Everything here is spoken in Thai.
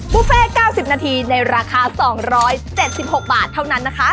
บุฟเฟ่๙๐นาทีในราคา๒๗๖บาทเท่านั้นนะคะ